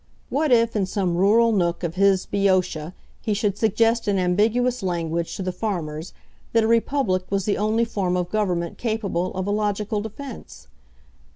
What if in some rural nook of his Boeotia he should suggest in ambiguous language to the farmers that a Republic was the only form of Government capable of a logical defence?